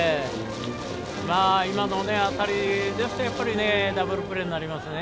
今の当たりですとやっぱりダブルプレーになりますね。